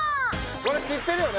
これ知ってるよね？